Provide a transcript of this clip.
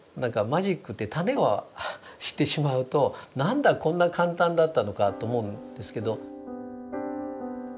マジックってタネを知ってしまうと「何だこんな簡単だったのか」と思うんですけど。